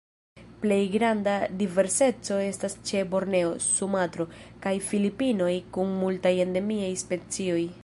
Plej granda diverseco estas ĉe Borneo, Sumatro, kaj Filipinoj, kun multaj endemiaj specioj.